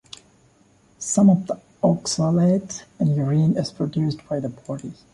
Some of the oxalate in urine is produced by the body.